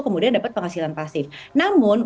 kemudian dapat penghasilan pasif namun